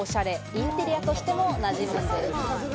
インテリアとしても馴染むんです。